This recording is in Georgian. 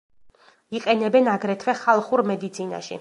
იყენებენ აგრეთვე ხალხურ მედიცინაში.